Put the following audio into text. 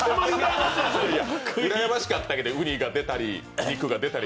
うらやましかったけどうにが出たり、肉が出たり。